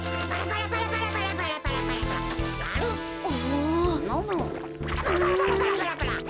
パラパラパラパラパラパラパラ。